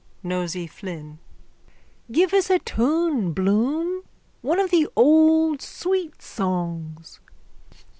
NOSEY FLYNN: Give us a tune, Bloom. One of the old sweet songs.